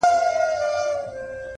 د دغه ښار ښکلي غزلي خیالوري غواړي.